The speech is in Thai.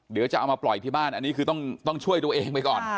เดี๋ยวจะเอามาปล่อยที่บ้านอันนี้คือต้องช่วยตัวเองไปก่อน